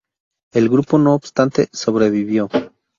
El grupo no obstante, sobrevivió.